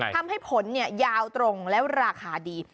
ทำให้ผลยาวตรงแล้วราคาดี